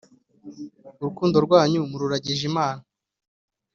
urukundo rwanyu mururagije Imana